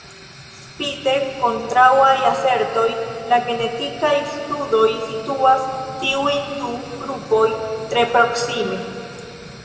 Spite kontraŭaj asertoj, la genetikaj studoj situas tiujn du grupojn tre proksime.